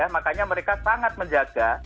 makanya mereka sangat menjaga